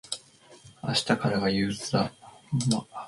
明日からが憂鬱だ。